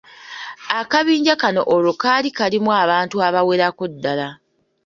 Akabinja kano olwo kaali kalimu abantu abawererako ddala.